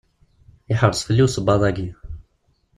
Yeḥreṣ fell-i usebbaḍ-agi.